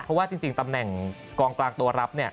เพราะว่าจริงตำแหน่งกองกลางตัวรับ